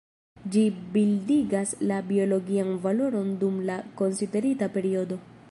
Ĝi bildigas la biologian valoron dum la konsiderita periodo.